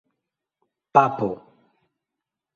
papo